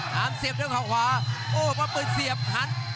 หันเสียบด้วยข้อขวาโอ้โหป้อมปืนเสียบหัน